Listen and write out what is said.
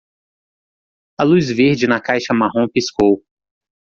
A luz verde na caixa marrom piscou.